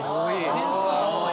件数が多い。